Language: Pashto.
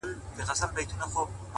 ماشومان يې بلاګاني په خوب ويني.!